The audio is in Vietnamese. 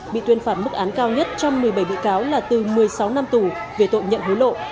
bị tuyên phạt mức án cao nhất trong một mươi bảy bị cáo là từ một mươi sáu năm tù về tội nhận hối lộ